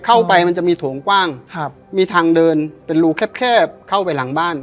มันจะมีโถงกว้างครับมีทางเดินเป็นรูแคบแคบเข้าไปหลังบ้าน